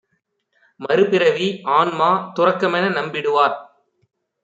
மறுபிறவி, ஆன்மா, துறக்கமென நம்பிடுவார்